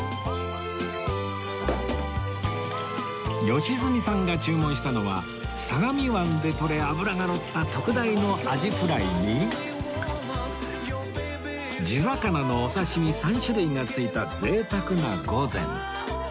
良純さんが注文したのは相模湾でとれ脂がのった特大のアジフライに地魚のお刺身３種類が付いた贅沢な御膳